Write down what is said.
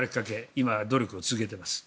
今、努力を続けています。